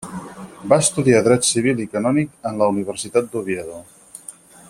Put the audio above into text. Va estudiar Dret civil i canònic en la Universitat d'Oviedo.